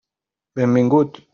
Benvingut!